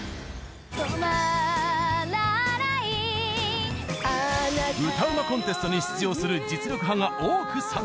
「止まらない」歌うまコンテストに出場する実力派が多く参加。